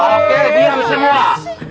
oke diam semua